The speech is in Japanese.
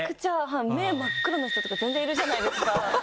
目真っ黒の人とか全然いるじゃないですか。